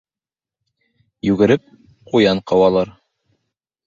Йүгереп ҡуян ҡыуалар